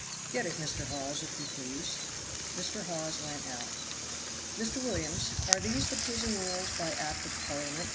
"Get it, Mr. Hawes, if you please." Mr. Hawes went out. "Mr. Williams, are these the Prison Rules by Act of Parliament?"